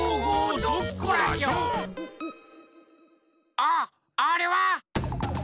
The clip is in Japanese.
あっあれは！